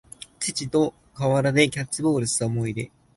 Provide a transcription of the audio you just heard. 父と河原でキャッチボールした思い出